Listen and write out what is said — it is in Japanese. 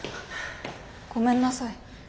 ごめんなさい。